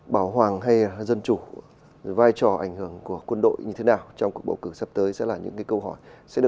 bảo hoàng hay dân chủ vai trò ảnh hưởng của quân đội như thế nào trong cuộc bầu cử sắp tới sẽ là những câu hỏi